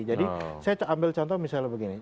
jadi saya ambil contoh misalnya begini